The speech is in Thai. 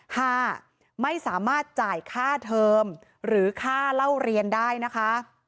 ห้าไม่สามารถจ่ายค่าเทอมหรือค่าเล่าเรียนได้นะคะ